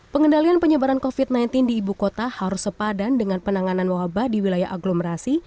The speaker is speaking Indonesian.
pengendalian penyebaran covid sembilan belas di ibu kota harus sepadan dengan penanganan wabah di wilayah aglomerasi